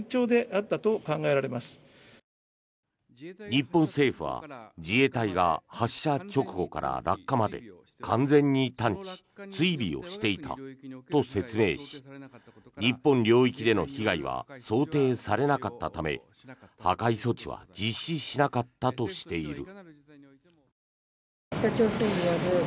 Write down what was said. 日本政府は自衛隊が発射直後から落下まで完全に探知、追尾をしていたと説明し日本領域での被害は想定されなかったため破壊措置は実施しなかったとしている。